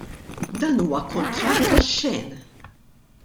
Dan huwa kuntratt oxxen!